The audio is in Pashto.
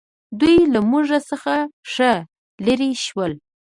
دوی له موږ څخه ښه لرې شول.